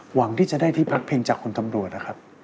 หวังที่จะได้ที่พักพิงจากคุณตำรวจนะครับ